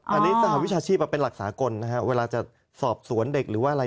อันนี้สารวิชาชีพเหลักศากลเวลาจะสอบสวนเด็กหรืออะไร